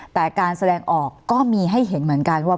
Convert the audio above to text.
แต่การแสดงออกก็มีให้เห็นเหมือนกันว่า